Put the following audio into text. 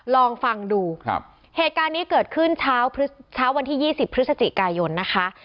ลองฟังดูเหตุการณ์นี้เกิดขึ้นเช้าวันที่๒๐พฤศจิกายนนะคะ